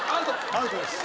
アウトです。